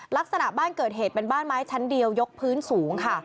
ลักษณะบ้านเกิดเหตุเป็นบ้านไม้ชั้นเดียวยกพื้นสูงค่ะ